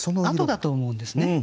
あとだと思うんですね。